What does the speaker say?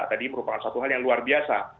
tadi merupakan satu hal yang luar biasa